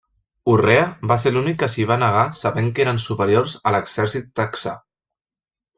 Urrea va ser l'únic que s'hi va negar sabent que eren superiors a l'exèrcit texà.